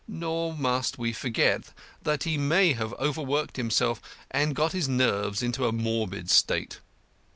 Nor must we forget that he may have overworked himself, and got his nerves into a morbid state.